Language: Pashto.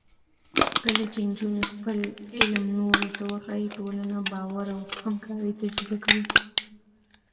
کله چې نجونې خپل علم نورو ته وښيي، ټولنه باور او همکارۍ تجربه کوي.